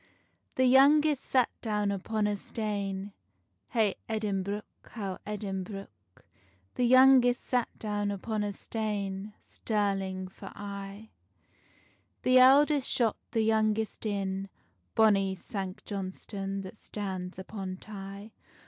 The youngest sat down upon a stane, Hey Edinbruch, how Edinbruch. The youngest sat down upon a stane, Stirling for aye: The eldest shot the youngest in, Bonny Sanct Johnstonne that stands upon Tay.